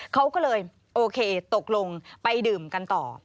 เขาก็เลยโอเคตกลงไปดื่มกันต่อ